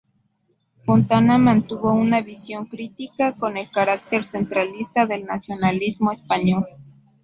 Fontana mantuvo una visión crítica con el carácter centralista del nacionalismo español.